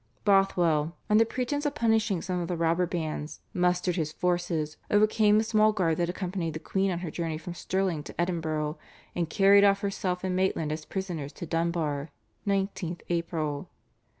Bothwell, under pretence of punishing some of the robber bands, mustered his forces, overcame the small guard that accompanied the queen on her journey from Stirling to Edinburgh, and carried off herself and Maitland as prisoners to Dunbar (19 April).